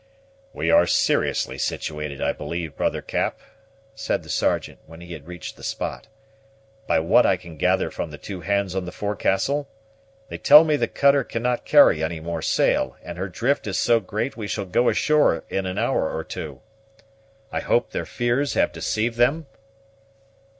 "We are seriously situated, I believe, brother Cap," said the Sergeant, when he had reached the spot, "by what I can gather from the two hands on the forecastle? They tell me the cutter cannot carry any more sail, and her drift is so great we shall go ashore in an hour or two. I hope their fears have deceived them?"